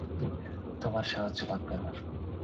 তোমার সাহায্য লাগবে আমার।